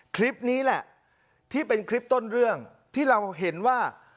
คลิปนี้แหละที่เป็นคลิปต้นเรื่องที่เราเห็นว่า